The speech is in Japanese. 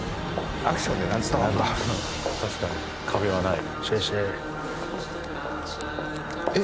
確かに壁はない